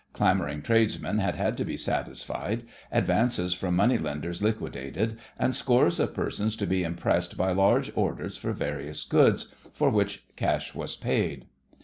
Clamouring tradesmen had had to be satisfied, advances from money lenders liquidated, and scores of persons to be impressed by large orders for various goods, for which cash was paid.